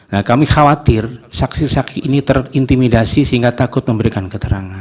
nah kami khawatir saksi saksi ini terintimidasi sehingga takut memberikan keterangan